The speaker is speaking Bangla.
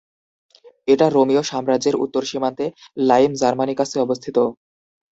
এটা রোমীয় সাম্রাজ্যের উত্তর সীমান্তে লাইম জার্মানিকাসে অবস্থিত ছিল।